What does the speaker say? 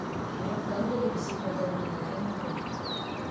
Бирок дагы деле бизди пайдалануулары мүмкүн.